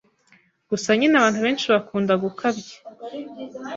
Gusa nyine abantu benshi bakunda gukabya